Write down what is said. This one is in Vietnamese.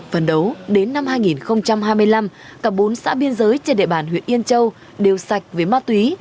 phần đấu đến năm hai nghìn hai mươi năm cả bốn xã biên giới trên địa bàn huyện yên châu đều sạch với ma túy